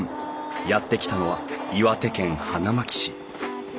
やって来たのは岩手県花巻市。